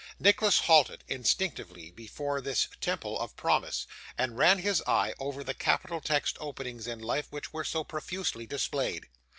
Nicholas halted, instinctively, before this temple of promise, and ran his eye over the capital text openings in life which were so profusely displayed.